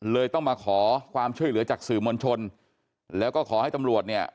เลยต้องมาขอความช่วยเหลือจากสื่อมวลชนแล้วก็ขอให้ตำรวจเนี่ย